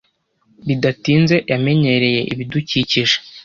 Bidatinze yamenyereye ibidukikije.